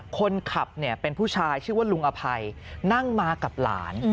คนขับเนี่ยเป็นผู้ชายชื่อว่าลุงอภัยนั่งมากับหลาน